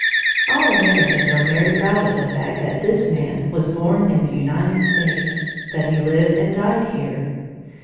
All Americans are very proud of the fact that this man was born in the United States; that he lived and died here.